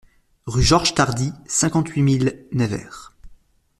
Rue Georges Tardy, cinquante-huit mille Nevers